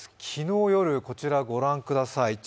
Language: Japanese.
昨日夜、こちらご覧ください。